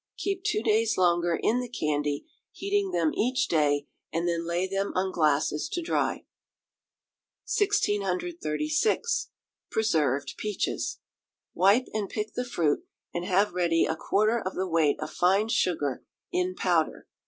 Keep two days longer in the candy, heating them each day, and then lay them on glasses to dry. 1636. Preserved Peaches. Wipe and pick the fruit, and have ready a quarter of the weight of fine sugar in powder.